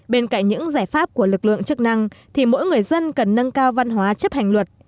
bên cạnh những giải pháp của lực lượng chức năng thì mỗi người dân cần nâng cao văn hóa chấp hành luật